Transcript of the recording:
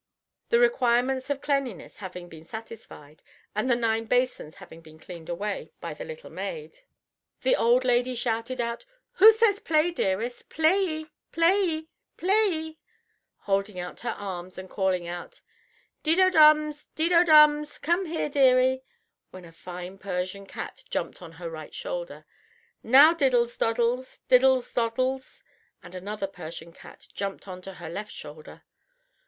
The requirements of cleanliness having been satisfied, and the nine basins having been taken away by the little maid, the old lady shouted out, "Who says play, dearies? Playee, playee, playee?" holding out her arms, and calling out, "Dido Dums, Dido Dums, come here, deary," when a fine Persian cat jumped on to her right shoulder. "Now Diddles Doddles, Diddles Doddles," and another Persian cat jumped on to her left shoulder.